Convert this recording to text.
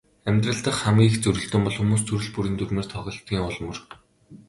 Амьдрал дахь хамгийн их зөрөлдөөн бол хүмүүс төрөл бүрийн дүрмээр тоглодгийн ул мөр.